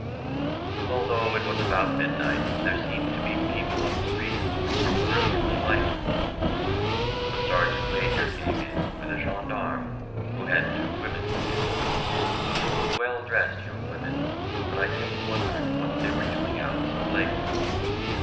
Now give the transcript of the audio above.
Although it was about midnight there seemed to be people on the streets, which were brilliantly lighted. A Sergeant Major came in, with a gendarme, who had two women with him. They were well dressed looking women, but I kept wondering what they were doing out so late.